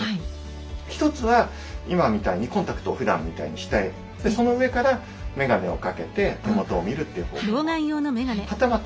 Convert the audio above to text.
一つは今みたいにコンタクトをふだんみたいにしてその上からメガネを掛けて手元を見るっていう方法もあります。